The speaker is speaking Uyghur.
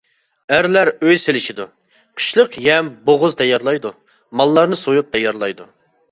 ئەرلەر ئۆي سېلىشىدۇ، قىشلىق يەم-بوغۇز تەييارلايدۇ، ماللارنى سويۇپ تەييارلايدۇ.